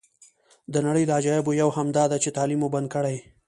د نړۍ له عجایبو یوه هم داده چې تعلیم مو بند کړی.